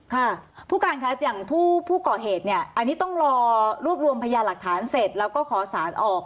ค่ะผู้การค่ะอย่างผู้ก่อเหตุเนี่ยอันนี้ต้องรอรวบรวมพยาหลักฐานเสร็จแล้วก็ขอสารออก